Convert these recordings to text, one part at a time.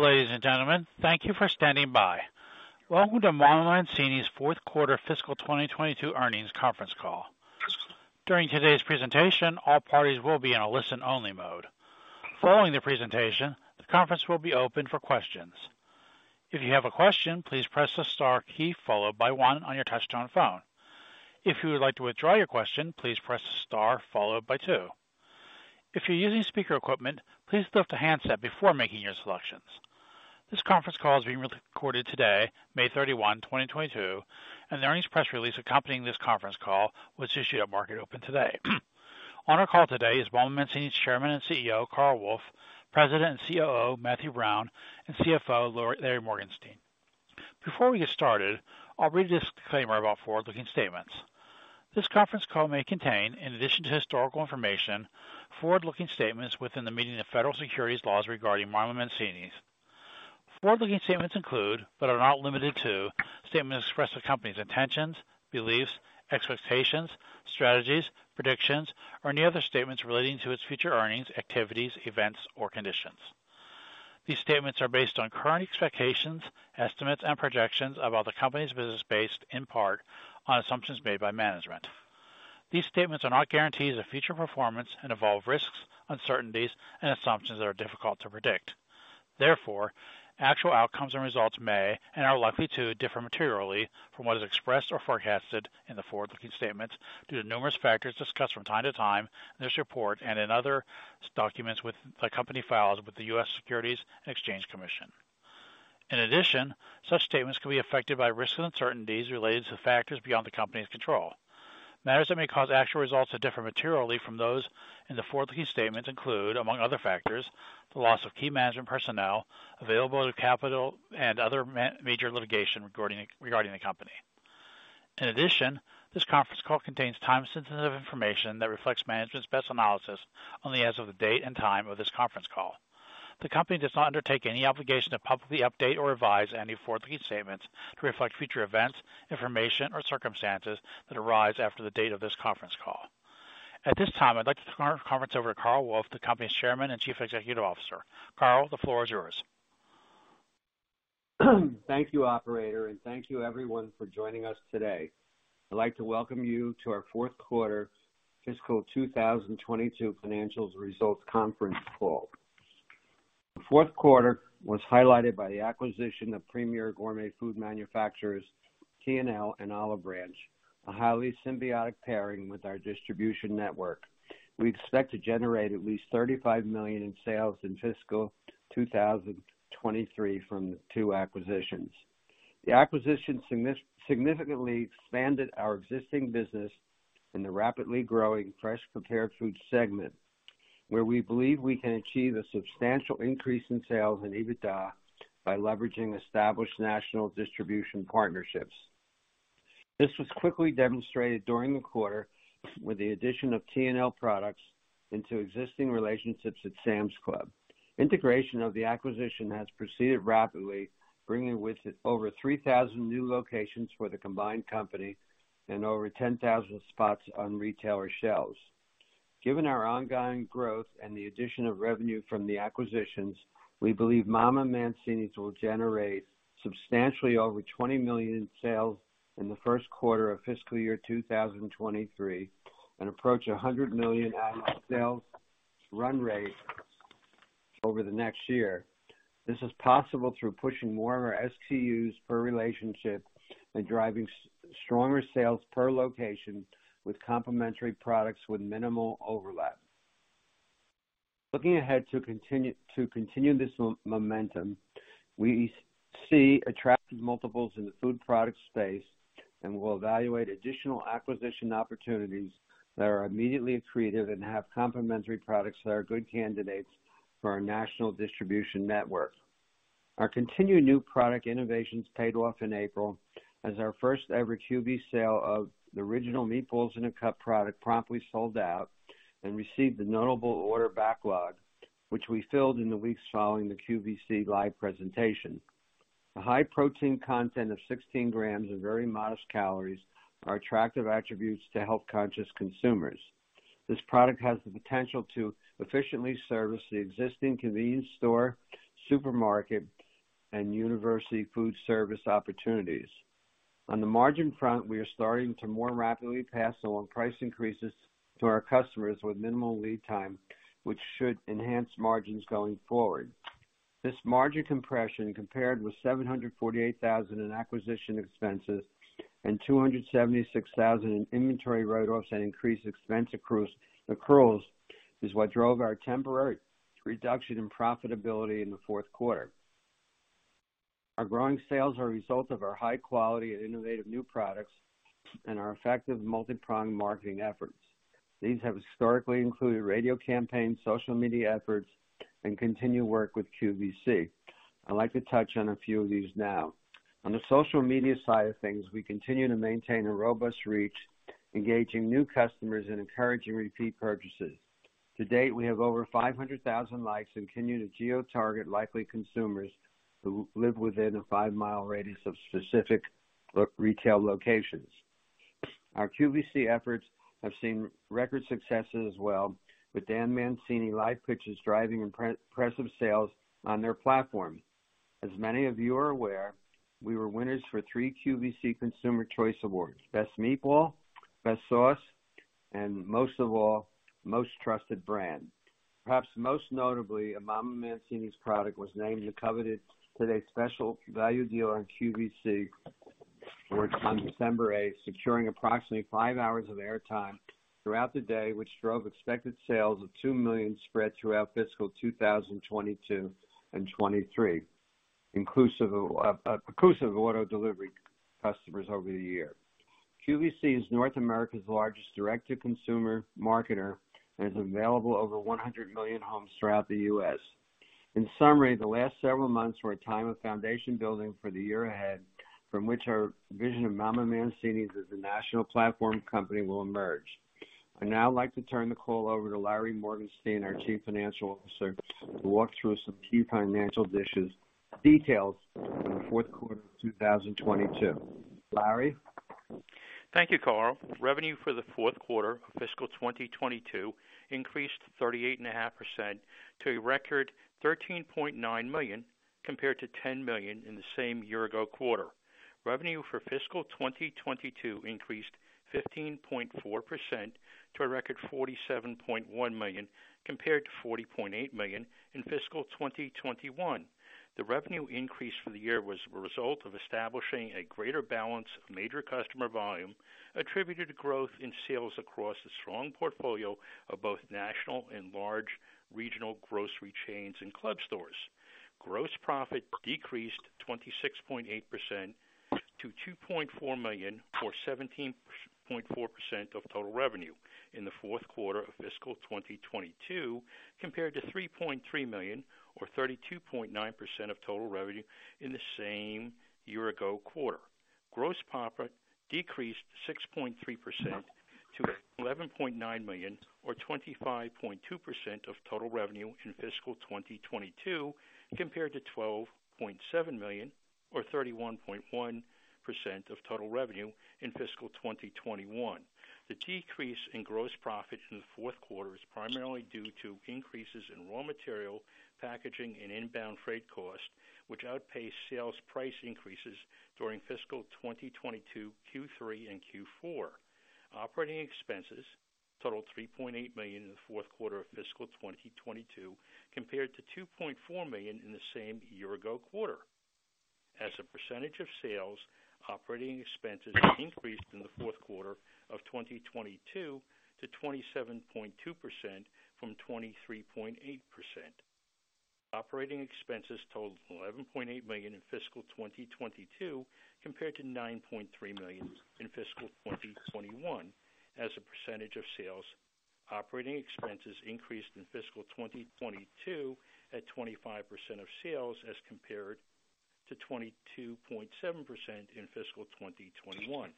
Ladies and gentlemen, thank you for standing by. Welcome to Mama Mancini's fourth quarter fiscal 2022 earnings conference call. During today's presentation, all parties will be in a listen-only mode. Following the presentation, the conference will be open for questions. If you have a question, please press the star key followed by one on your touchtone phone. If you would like to withdraw your question, please press star followed by two. If you're using speaker equipment, please lift the handset before making your selections. This conference call is being re-recorded today, May 31, 2022, and the earnings press release accompanying this conference call was issued at market open today. On our call today is Mama Mancini's Chairman and CEO, Carl Wolf, President and COO, Matt Brown, and CFO, Larry Morgenstein. Before we get started, I'll read a disclaimer about forward-looking statements. This conference call may contain, in addition to historical information, forward-looking statements within the meaning of federal securities laws regarding Mama Mancini's. Forward-looking statements include, but are not limited to, statements expressing the company's intentions, beliefs, expectations, strategies, predictions, or any other statements relating to its future earnings, activities, events, or conditions. These statements are based on current expectations, estimates, and projections about the company's business based in part on assumptions made by management. These statements are not guarantees of future performance and involve risks, uncertainties, and assumptions that are difficult to predict. Therefore, actual outcomes and results may, and are likely to, differ materially from what is expressed or forecasted in the forward-looking statements due to numerous factors discussed from time to time in this report and in other SEC documents that the company files with the US Securities and Exchange Commission. In addition, such statements can be affected by risks and uncertainties related to factors beyond the company's control. Matters that may cause actual results to differ materially from those in the forward-looking statements include, among other factors, the loss of key management personnel, availability of capital and other major litigation regarding the Company. In addition, this conference call contains time-sensitive information that reflects management's best analysis only as of the date and time of this conference call. The Company does not undertake any obligation to publicly update or revise any forward-looking statements to reflect future events, information, or circumstances that arise after the date of this conference call. At this time, I'd like to turn our conference over to Carl Wolf, the company's Chairman and Chief Executive Officer. Carl, the floor is yours. Thank you, operator, and thank you everyone for joining us today. I'd like to welcome you to our fourth quarter fiscal 2022 financial results conference call. The fourth quarter was highlighted by the acquisition of premier gourmet food manufacturers, T&L and Olive Branch, a highly symbiotic pairing with our distribution network. We expect to generate at least $35 million in sales in fiscal 2023 from the two acquisitions. The acquisition significantly expanded our existing business in the rapidly growing fresh prepared food segment, where we believe we can achieve a substantial increase in sales and EBITDA by leveraging established national distribution partnerships. This was quickly demonstrated during the quarter with the addition of T&L products into existing relationships at Sam's Club. Integration of the acquisition has proceeded rapidly, bringing with it over 3,000 new locations for the combined company and over 10,000 spots on retailer shelves. Given our ongoing growth and the addition of revenue from the acquisitions, we believe Mama Mancini's will generate substantially over $20 million in sales in the first quarter of fiscal year 2023 and approach a $100 million annual sales run rate over the next year. This is possible through pushing more of our SKUs per relationship and driving stronger sales per location with complementary products with minimal overlap. Looking ahead to continue this momentum, we see attractive multiples in the food product space, and we'll evaluate additional acquisition opportunities that are immediately accretive and have complementary products that are good candidates for our national distribution network. Our continued new product innovations paid off in April as our first-ever QVC sale of the original Meatballs in a Cup product promptly sold out and received a notable order backlog, which we filled in the weeks following the QVC live presentation. The high protein content of 16 grams and very modest calories are attractive attributes to health-conscious consumers. This product has the potential to efficiently service the existing convenience store, supermarket, and university food service opportunities. On the margin front, we are starting to more rapidly pass on price increases to our customers with minimal lead time, which should enhance margins going forward. This margin compression, compared with $748,000 in acquisition expenses and $276,000 in inventory write-offs and increased expense accruals, is what drove our temporary reduction in profitability in the fourth quarter. Our growing sales are a result of our high quality and innovative new products and our effective multi-pronged marketing efforts. These have historically included radio campaigns, social media efforts, and continued work with QVC. I'd like to touch on a few of these now. On the social media side of things, we continue to maintain a robust reach, engaging new customers and encouraging repeat purchases. To date, we have over 500,000 likes and continue to geo-target likely consumers who live within a five-mile radius of specific retail locations. Our QVC efforts have seen record successes as well, with Dan Mancini live pitches driving impressive sales on their platform. As many of you are aware, we were winners for three QVC Customer Choice Awards. Best Meatball, Best Sauce, and most of all, Most Recommended Brand. Perhaps most notably, a Mama Mancini's product was named the coveted Today's Special Value deal on QVC on December eighth, securing approximately five hours of airtime throughout the day, which drove expected sales of $2 million spread throughout fiscal 2022 and 2023, inclusive of auto delivery customers over the year. QVC is North America's largest direct-to-consumer marketer and is available in over 100 million homes throughout the US. In summary, the last several months were a time of foundation building for the year ahead, from which our vision of Mama Mancini's as a national platform company will emerge. I'd now like to turn the call over to Larry Morgenstein, our Chief Financial Officer, to walk through some key financial details for the fourth quarter of 2022. Larry. Thank you, Carl. Revenue for the fourth quarter of fiscal 2022 increased 38.5% to a record $13.9 million, compared to $10 million in the same year-ago quarter. Revenue for fiscal 2022 increased 15.4% to a record $47.1 million, compared to $40.8 million in fiscal 2021. The revenue increase for the year was the result of establishing a greater balance of major customer volume attributed to growth in sales across a strong portfolio of both national and large regional grocery chains and club stores. Gross profit decreased 26.8% to $2.4 million, or 17.4% of total revenue in the fourth quarter of fiscal 2022, compared to $3.3 million or 32.9% of total revenue in the same year-ago quarter. Gross profit decreased 6.3% to $11.9 million or 25.2% of total revenue in fiscal 2022 compared to $12.7 million or 31.1% of total revenue in fiscal 2021. The decrease in gross profit in the fourth quarter is primarily due to increases in raw material, packaging, and inbound freight costs, which outpaced sales price increases during fiscal 2022, Q3 and Q4. Operating expenses totaled $3.8 million in the fourth quarter of fiscal 2022 compared to $2.4 million in the same year ago quarter. As a percentage of sales, operating expenses increased in the fourth quarter of 2022 to 27.2% from 23.8%. Operating expenses totaled $11.8 million in fiscal 2022 compared to $9.3 million in fiscal 2021. As a percentage of sales, operating expenses increased in fiscal 2022 at 25% of sales as compared to 22.7% in fiscal 2021.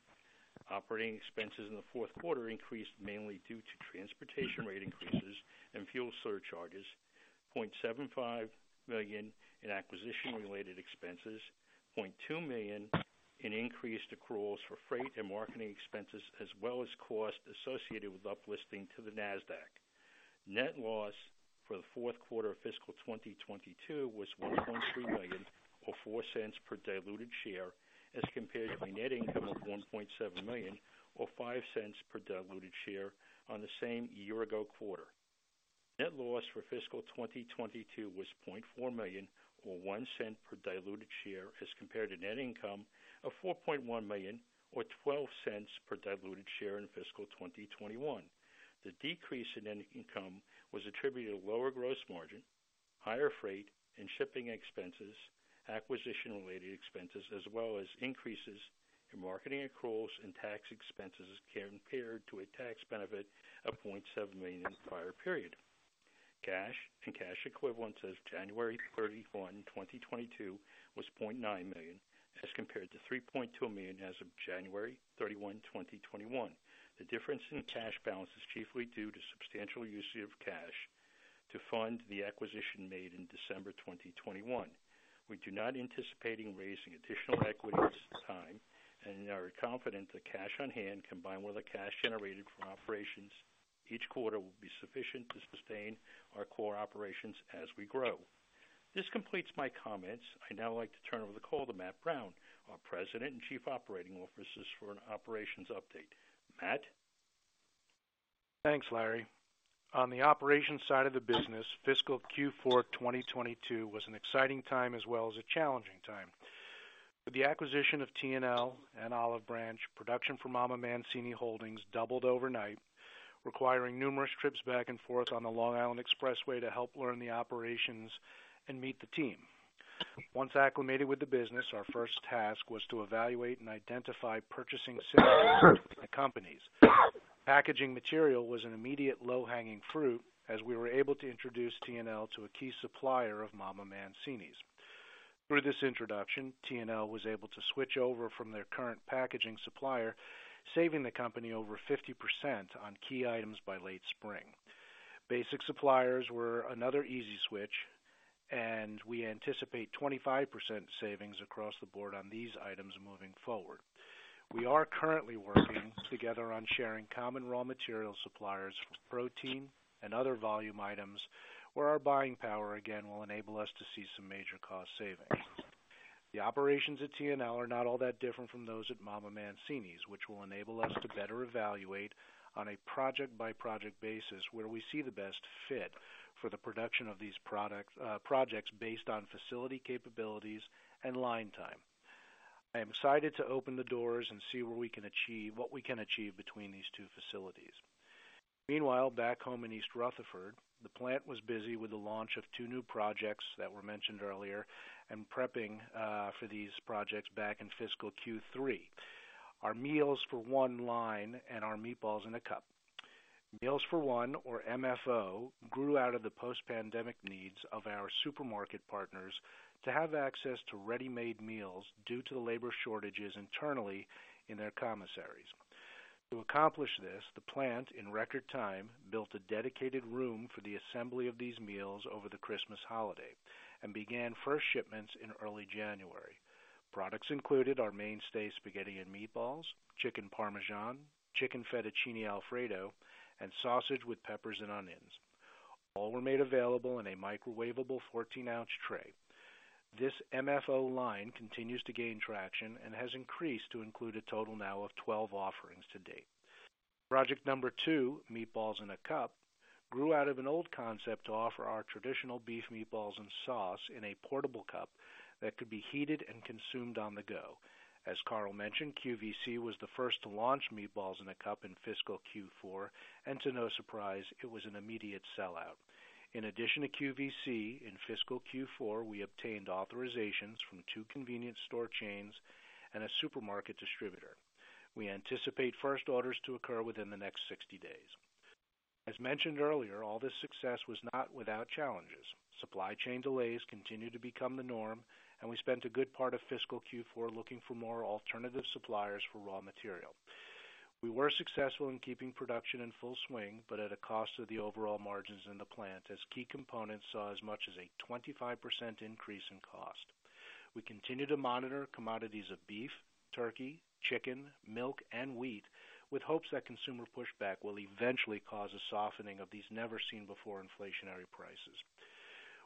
Operating expenses in the fourth quarter increased mainly due to transportation rate increases and fuel surcharges, $0.75 million in acquisition related expenses, $0.2 million in increased accruals for freight and marketing expenses, as well as costs associated with uplisting to the Nasdaq. Net loss for the fourth quarter of fiscal 2022 was $1.3 million or $0.04 per diluted share as compared to a net income of $1.7 million or $0.05 per diluted share on the same year ago quarter. Net loss for fiscal 2022 was $0.4 million or $0.01 per diluted share as compared to net income of $4.1 million or $0.12 per diluted share in fiscal 2021. The decrease in net income was attributed to lower gross margin, higher freight and shipping expenses, acquisition related expenses, as well as increases in marketing accruals and tax expenses as compared to a tax benefit of $0.7 million in the prior period. Cash and cash equivalents as of January 31, 2022 was $0.9 million as compared to $3.2 million as of January 31, 2021. The difference in cash balance is chiefly due to substantial use of cash to fund the acquisition made in December 2021. We do not anticipate in raising additional equity at this time and are confident that cash on hand, combined with the cash generated from operations each quarter, will be sufficient to sustain our core operations as we grow. This completes my comments. I'd now like to turn over the call to Matt Brown, our President and Chief Operating Officer, for an operations update. Matt. Thanks, Larry. On the operations side of the business, fiscal Q4 2022 was an exciting time as well as a challenging time. With the acquisition of T&L and Olive Branch, production for MamaMancini's Holdings, Inc. doubled overnight, requiring numerous trips back and forth on the Long Island Expressway to help learn the operations and meet the team. Once acclimated with the business, our first task was to evaluate and identify purchasing synergies between the companies. Packaging material was an immediate low-hanging fruit as we were able to introduce T&L to a key supplier of Mama Mancini's. Through this introduction, T&L was able to switch over from their current packaging supplier, saving the company over 50% on key items by late spring. Basic suppliers were another easy switch. We anticipate 25% savings across the board on these items moving forward. We are currently working together on sharing common raw material suppliers for protein and other volume items where our buying power again will enable us to see some major cost savings. The operations at T&L are not all that different from those at Mama Mancini's, which will enable us to better evaluate on a project-by-project basis where we see the best fit for the production of these projects based on facility capabilities and line time. I am excited to open the doors and see what we can achieve between these two facilities. Meanwhile, back home in East Rutherford, the plant was busy with the launch of two new projects that were mentioned earlier and prepping for these projects back in fiscal Q3. Our Meals for One line and our Meatballs in a Cup. Meals for One or MFO grew out of the post-pandemic needs of our supermarket partners to have access to ready-made meals due to the labor shortages internally in their commissaries. To accomplish this, the plant, in record time, built a dedicated room for the assembly of these meals over the Christmas holiday and began first shipments in early January. Products included our mainstay spaghetti and meatballs, chicken parmesan, chicken fettuccine alfredo, and sausage with peppers and onions. All were made available in a microwavable 14-ounce tray. This MFO line continues to gain traction and has increased to include a total now of 12 offerings to date. Project number two, Meatballs in a Cup, grew out of an old concept to offer our traditional beef meatballs and sauce in a portable cup that could be heated and consumed on the go. As Carl mentioned, QVC was the first to launch Meatballs in a Cup in fiscal Q4, and to no surprise, it was an immediate sellout. In addition to QVC, in fiscal Q4, we obtained authorizations from two convenience store chains and a supermarket distributor. We anticipate first orders to occur within the next 60 days. As mentioned earlier, all this success was not without challenges. Supply chain delays continue to become the norm, and we spent a good part of fiscal Q4 looking for more alternative suppliers for raw material. We were successful in keeping production in full swing, but at a cost of the overall margins in the plant as key components saw as much as a 25% increase in cost. We continue to monitor commodities of beef, turkey, chicken, milk, and wheat with hopes that consumer pushback will eventually cause a softening of these never-seen-before inflationary prices.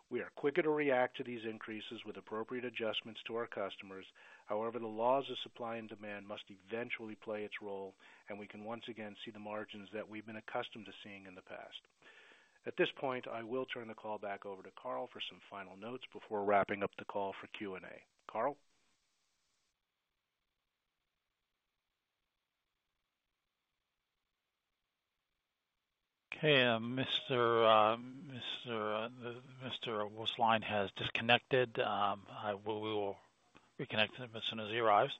We are quicker to react to these increases with appropriate adjustments to our customers. However, the laws of supply and demand must eventually play its role, and we can once again see the margins that we've been accustomed to seeing in the past. At this point, I will turn the call back over to Carl for some final notes before wrapping up the call for Q&A. Carl? Okay. Mr. Wolf's line has disconnected. We will reconnect him as soon as he arrives.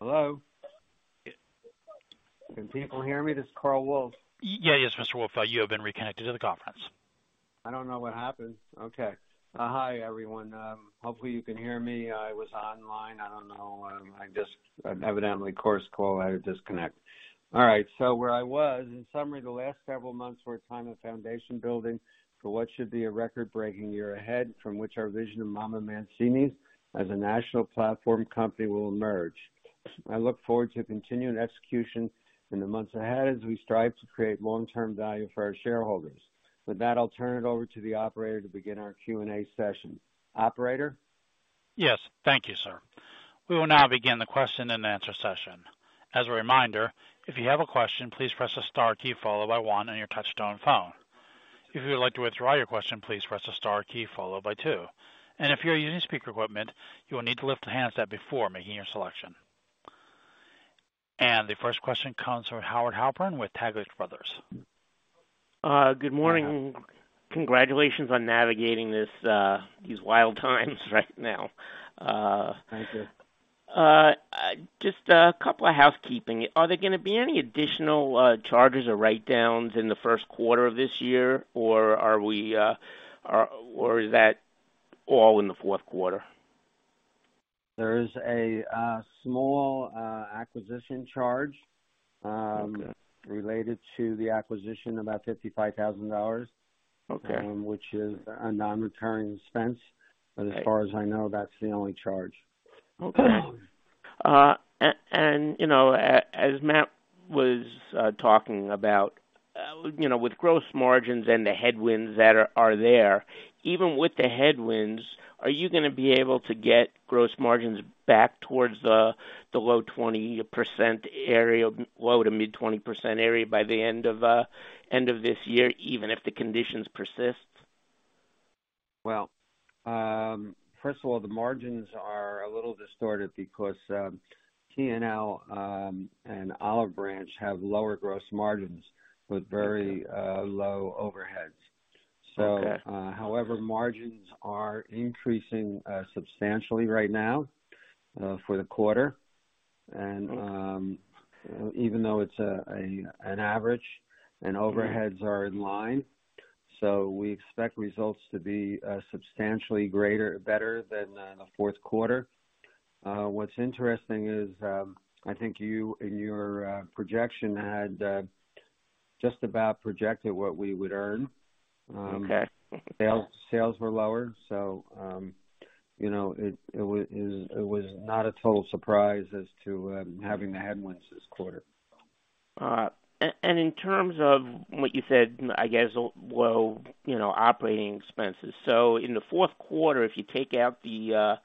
Hello? Can people hear me? This is Carl Wolf. Yeah. Yes, Mr. Wolf, you have been reconnected to the conference. I don't know what happened. Okay. Hi, everyone. Hopefully, you can hear me. I was online. I don't know. Evidently, conference call had a disconnect. All right. Where I was, in summary, the last several months were a time of foundation building for what should be a record-breaking year ahead from which our vision of Mama Mancini's as a national platform company will emerge. I look forward to continuing execution in the months ahead as we strive to create long-term value for our shareholders. With that, I'll turn it over to the operator to begin our Q&A session. Operator? Yes. Thank you, sir. We will now begin the question-and-answer session. As a reminder, if you have a question, please press the star key followed by one on your touchtone phone. If you would like to withdraw your question, please press the star key followed by two. If you're using speaker equipment, you will need to lift the handset before making your selection. The first question comes from Howard Halpern with Taglich Brothers. Good morning. Congratulations on navigating this, these wild times right now. Thank you. Just a couple of housekeeping. Are there gonna be any additional charges or write-downs in the first quarter of this year, or is that all in the fourth quarter? There is a small acquisition charge. Okay. related to the acquisition, about $55,000. Okay. which is a non-recurring expense. As far as I know, that's the only charge. Okay. You know, as Matt was talking about, you know, with gross margins and the headwinds that are there, even with the headwinds, are you gonna be able to get gross margins back towards the low 20% area, low- to mid-20% area by the end of this year, even if the conditions persist? Well, first of all, the margins are a little distorted because T&L and Olive Branch have lower gross margins with very low overheads. Okay. However, margins are increasing substantially right now for the quarter. Even though it's an average and overheads are in line, so we expect results to be substantially greater, better than the fourth quarter. What's interesting is, I think you in your projection had just about projected what we would earn. Okay. Sales were lower, so you know, it was not a total surprise as to having the headwinds this quarter. In terms of what you said, I guess low, you know, operating expenses. In the fourth quarter, if you take out the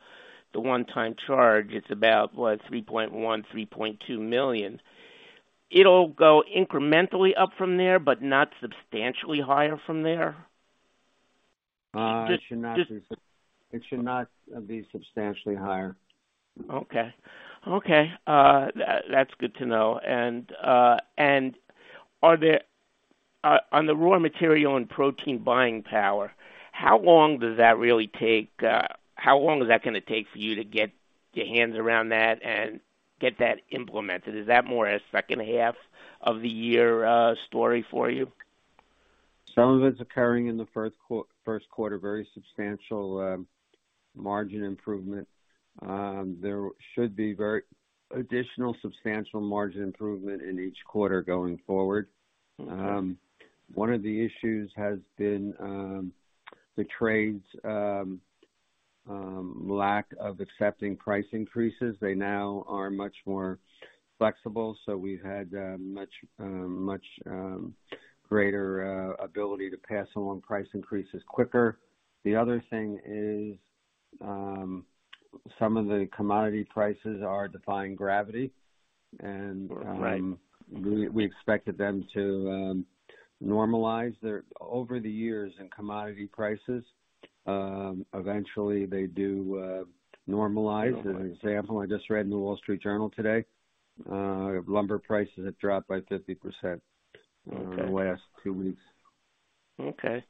one-time charge, it's about, what, $3.1-$3.2 million. It'll go incrementally up from there, but not substantially higher from there? It should not be. Just. It should not be substantially higher. Okay. That's good to know. Are there on the raw material and protein buying power, how long does that really take, how long is that gonna take for you to get your hands around that and get that implemented? Is that more a second half of the year story for you? Some of it's occurring in the first quarter, very substantial margin improvement. There should be very additional substantial margin improvement in each quarter going forward. One of the issues has been the trade's lack of accepting price increases. They now are much more flexible, so we've had much greater ability to pass along price increases quicker. The other thing is, some of the commodity prices are defying gravity, and Right. We expected them to normalize there. Over the years in commodity prices, eventually they do normalize. As an example, I just read in the Wall Street Journal today, lumber prices have dropped by 50%. Okay. In the last two weeks. Okay.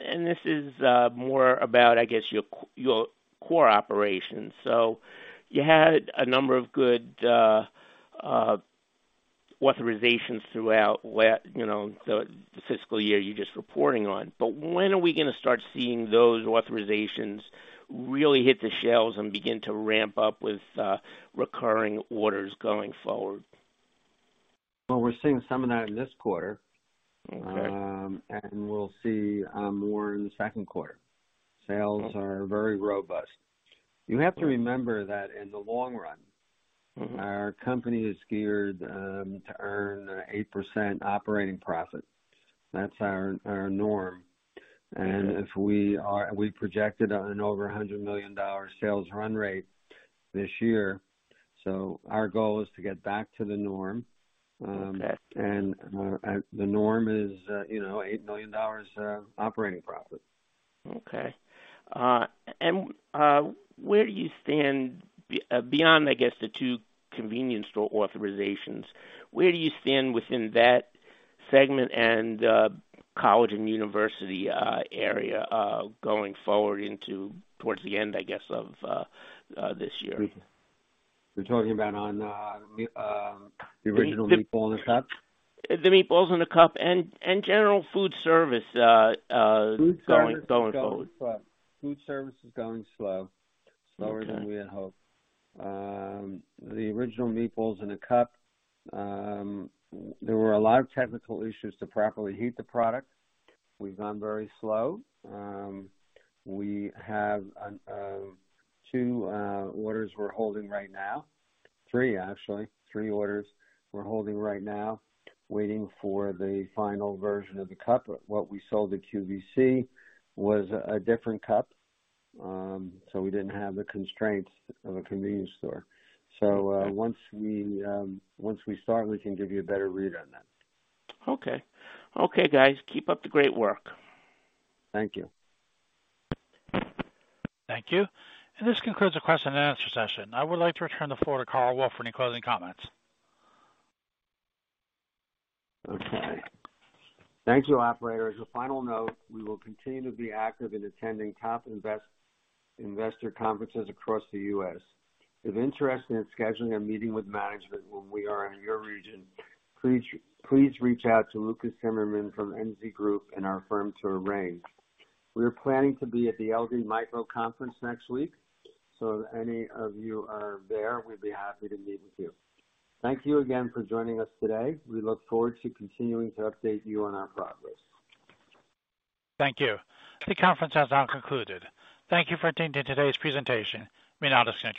This is more about, I guess, your core operations. You had a number of good authorizations throughout, you know, the fiscal year you're just reporting on. When are we gonna start seeing those authorizations really hit the shelves and begin to ramp up with recurring orders going forward? Well, we're seeing some of that in this quarter. Okay. We'll see more in the second quarter. Sales are very robust. You have to remember that in the long run. Mm-hmm. Our company is geared to earn an 8% operating profit. That's our norm. We projected an over $100 million sales run rate this year. Our goal is to get back to the norm. Okay. The norm is, you know, $8 million operating profit. Okay, where do you stand beyond, I guess, the two convenience store authorizations, where do you stand within that segment and the college and university area, going forward into towards the end, I guess, of this year? You're talking about the original Meatballs in a Cup? The Meatballs in a Cup and general food service, going forward. Food service is going slow, slower than we had hoped. The original Meatballs in a Cup, there were a lot of technical issues to properly heat the product. We've gone very slow. We have 3 orders we're holding right now, actually, waiting for the final version of the cup. What we sold to QVC was a different cup. We didn't have the constraints of a convenience store. Once we start, we can give you a better read on that. Okay. Okay, guys. Keep up the great work. Thank you. Thank you. This concludes the question and answer session. I would like to return the floor to Carl Wolf for any closing comments. Okay. Thank you, operator. As a final note, we will continue to be active in attending top investor conferences across the U.S. If interested in scheduling a meeting with management when we are in your region, please reach out to Lucas Zimmerman from MZ Group and our firm to arrange. We're planning to be at the LD Micro Conference next week, so if any of you are there, we'd be happy to meet with you. Thank you again for joining us today. We look forward to continuing to update you on our progress. Thank you. The conference has now concluded. Thank you for attending today's presentation. You may now disconnect.